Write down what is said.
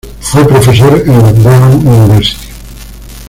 Fue profesor en la Brown University.